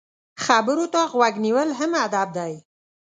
خبرو ته غوږ نیول هم ادب دی.